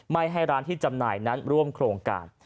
ไม่ให้ร้านที่จำหน่ายนั้นร่วมโครงการ